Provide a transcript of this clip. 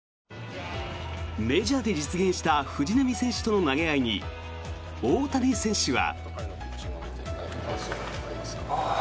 メジャーで実現した藤浪選手との投げ合いに大谷選手は。